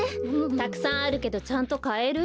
たくさんあるけどちゃんとかえる？